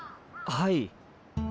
はい。